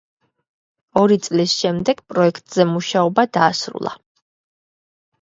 ორი წლის შემდეგ პროექტზე მუშაობა დაასრულა.